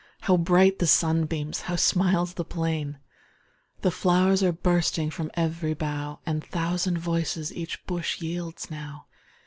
How bright the sunbeams! How smiles the plain! The flow'rs are bursting From ev'ry bough, And thousand voices Each bush yields now.